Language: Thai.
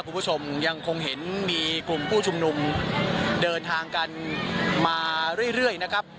คุณผู้ชมยังคงเห็นมีกลุ่มผู้ชุมนุมเดินทางกันมาเรื่อยนะครับ